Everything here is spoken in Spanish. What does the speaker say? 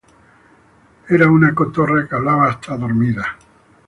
Era una cotorra que hablaba hasta dormida